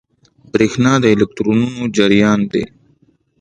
برېښنا د الکترونونو جریان دی.